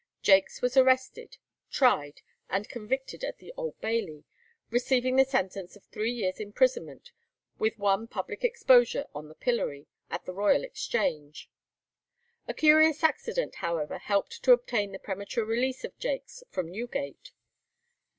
Jaques was arrested, tried, and convicted at the Old Bailey, receiving the sentence of three years' imprisonment, with one public exposure on the pillory at the Royal Exchange. A curious accident, however, helped to obtain the premature release of Jaques from Newgate.